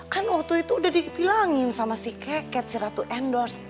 kan waktu itu udah dibilangin sama si keket si ratu endorse